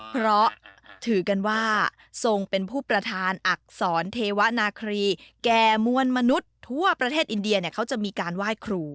เพราะถือกันว่าทรงเป็นผู้ประธานอักษรเทวนาครีแก่มวลมนุษย์ทั่วประเทศอินเดียเนี่ยเขาจะมีการไหว้ครู